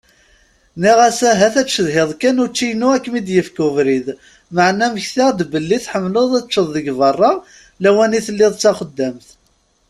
Nniɣ-as ahat ad tcedhiḍ kan učči-ynu akem-d-yefk ubrid maɛna mmektaɣ-d belli tḥemleḍ ad teččeḍ deg berra lawan i telliḍ d taxeddamt.